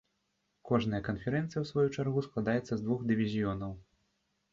Кожная канферэнцыя ў сваю чаргу складаецца з двух дывізіёнаў.